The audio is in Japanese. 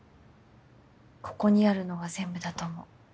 ここにあるのが全部だと思う。